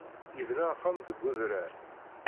Yebna axxam deg udrar.